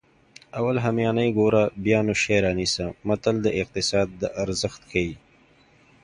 اول همیانۍ ګوره بیا نو شی رانیسه متل د اقتصاد ارزښت ښيي